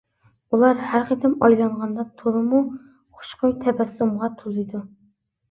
ئۇلار ھەر قېتىم ئايلانغاندا تولىمۇ خۇشخۇي تەبەسسۇمغا تولىدۇ.